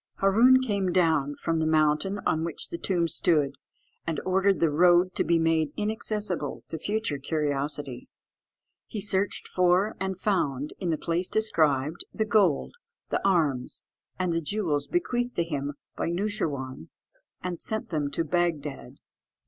Hâroon came down from the mountain on which the tomb stood, and ordered the road to be made inaccessible to future curiosity. He searched for, and found, in the place described, the gold, the arms, and the jewels bequeathed to him by Noosheerwân, and sent them to Bagdad.